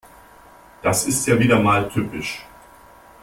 Das ist ja wieder mal typisch.